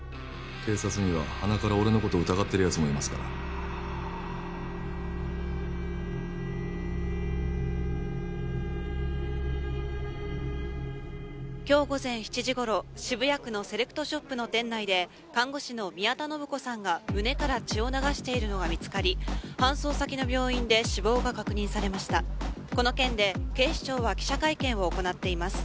警察にははなから俺のことを疑ってるやつもいますから今日午前７時頃渋谷区のセレクトショップの店内で看護師の宮田信子さんが胸から血を流しているのが見つかり搬送先の病院で死亡が確認されましたこの件で警視庁は記者会見を行っています